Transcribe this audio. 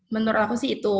menurut aku sih itu